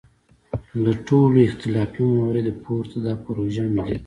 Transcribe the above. له ټولو اختلافي مواردو پورته دا پروژه ملي ده.